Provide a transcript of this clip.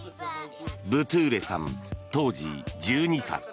ブトゥーレさん、当時１２歳。